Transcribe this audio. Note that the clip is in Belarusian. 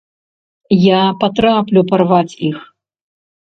Я патраплю парваць іх.